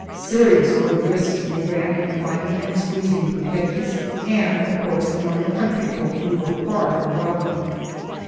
Serious were the risks we ran in climbing and squeezing through hedges, and, of course, among the country folk we were far from welcome.